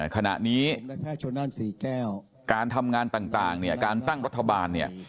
ขณะนี้การทำงานต่างเนี่ยการตั้งรัฐบาลเนี่ย